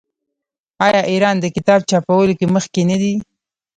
آیا ایران د کتاب چاپولو کې مخکې نه دی؟